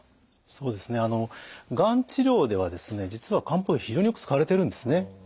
そうですねあのがん治療では実は漢方薬非常によく使われているんですね。